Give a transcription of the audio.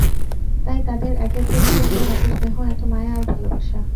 তাই তাদের একের প্রতি অন্যের এত স্নেহ, এত মায়া আর ভালোবাসা।